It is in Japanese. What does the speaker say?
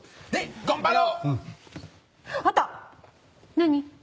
何？